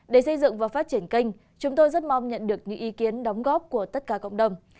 để xây dựng và phát triển kênh chúng tôi rất mong nhận được những ý kiến đóng góp của tất cả cộng đồng